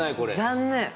残念！